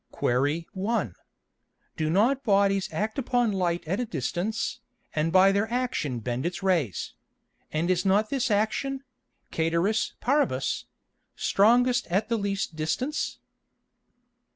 Query 1. Do not Bodies act upon Light at a distance, and by their action bend its Rays; and is not this action (cæteris paribus) strongest at the least distance?